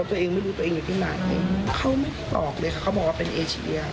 เขาไม่ได้ตอบเลยค่ะเขาบอกว่าเป็นเอเชีย